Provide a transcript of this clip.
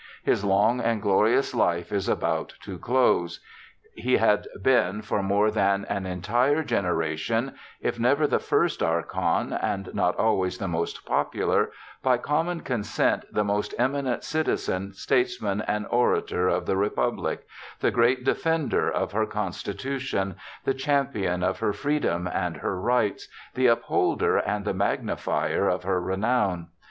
His long and glorious life is about to close. He had been, for more than an entire generation — if never the first Archon, and not always the most popular— by common consent the most eminent citizen, statesman, and orator of the republic — the great defender of her constitution— the champion of her freedom and her rights — the upholder and the magnifier of her renown.